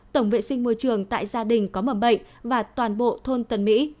tổng vệ sinh môi trường tại gia đình có mầm bệnh và toàn bộ thôn tần mỹ